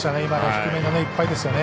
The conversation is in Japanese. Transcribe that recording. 低めのいっぱいですよね。